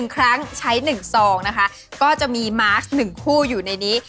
๑ครั้งใช้๑ซองนะคะก็จะมีมาร์ค๑คู่อยู่ในนี้